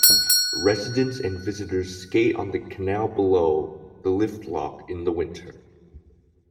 Residents and visitors skate on the canal below the lift lock in the winter.